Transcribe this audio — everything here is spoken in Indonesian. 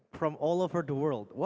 dari seluruh dunia